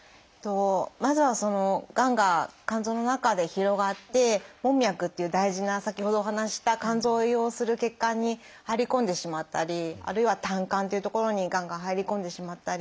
まずはがんが肝臓の中で広がって門脈っていう大事な先ほどお話しした肝臓を栄養する血管に入り込んでしまったりあるいは胆管という所にがんが入り込んでしまったり。